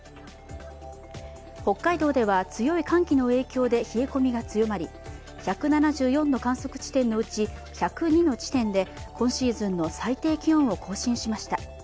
北海道では強い寒気の影響で冷え込みが強まり１７４の観測地点のうち１０２の地点で今シーズンの最低気温を更新しました。